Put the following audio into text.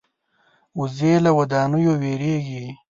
وزې له ودانیو وېرېږي